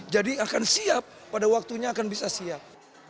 jadi akan siap pada waktunya akan bisa siap